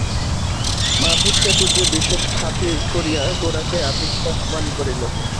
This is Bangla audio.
মাধব চাটুজ্জে বিশেষ খাতির করিয়া গোরাকে আতিথ্যে আহ্বান করিল।